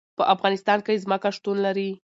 په افغانستان کې ځمکه شتون لري.